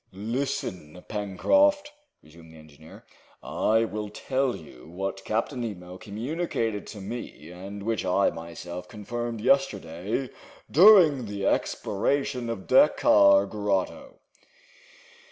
"Listen, Pencroft," resumed the engineer, "I will tell you what Captain Nemo communicated to me, and which I myself confirmed yesterday, during the exploration of Dakkar Grotto.